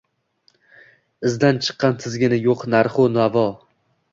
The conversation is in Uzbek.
Izdan chiqqan tizgini yoʼq narxu navo